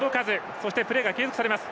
そして、プレーが継続されます。